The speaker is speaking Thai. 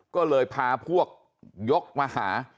ก็เลยพาพวกยกมาหา